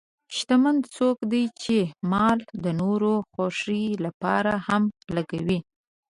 شتمن څوک دی چې مال د نورو خوښۍ لپاره هم لګوي.